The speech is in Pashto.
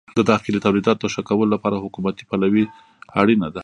د داخلي تولیداتو د ښه کولو لپاره حکومتي پلوي اړینه ده.